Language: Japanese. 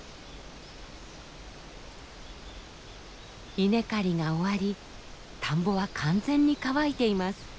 稲刈りが終わり田んぼは完全に乾いています。